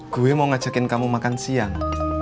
gue mau ngajakin kamu makan siang